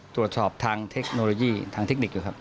ตรวจสอบทางเทคโนโลยีทางเทคนิคอยู่ครับ